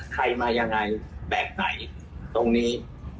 ใครมายังไงแบบไหนตรงนี้